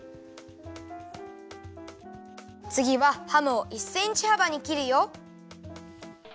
つぎはハムを１センチはばにきるよ。